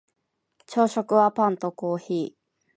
朝食はパンとコーヒー